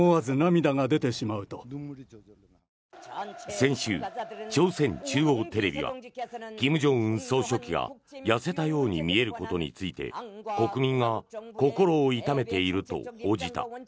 先週、朝鮮中央テレビは金正恩総書記が痩せたように見えることについて国民が心を痛めていると報じた。